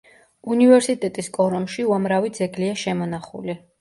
უნივერსიტეტის კორომში უამრავი ძეგლია შემონახული.